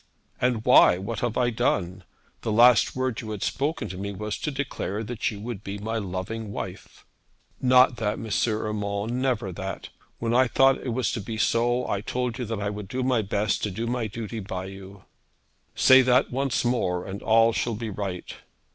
'And why what have I done? The last word you had spoken to me was to declare that you would be my loving wife.' 'Not that, M. Urmand; never that. When I thought it was to be so, I told you that I would do my best to do my duty by you.' 'Say that once more, and all shall be right.'